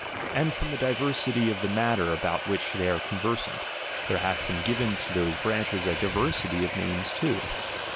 Ajid from the diversity of the matter about which they are conversant, there hath been given to those branches a diversity of names too.